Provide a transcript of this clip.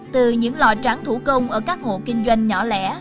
từ những lò tráng thủ công ở các hộ kinh doanh nhỏ lẻ